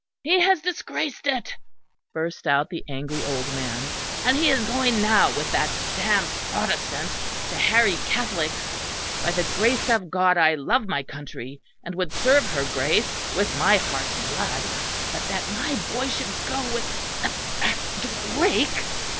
"He has disgraced it," burst out the angry old man, "and he is going now with that damned Protestant to harry Catholics. By the grace of God I love my country, and would serve her Grace with my heart's blood but that my boy should go with Drake